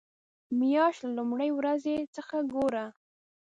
مياشت له لومړۍ ورځې څخه ګوره.